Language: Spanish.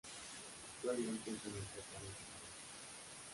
Actualmente es un empresario en su país.